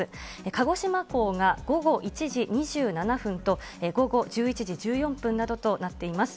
鹿児島港が午後１時２７分と午後１１時１４分などとなっています。